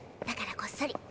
だからこっそり。